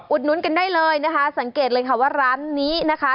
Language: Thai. นุ้นกันได้เลยนะคะสังเกตเลยค่ะว่าร้านนี้นะคะ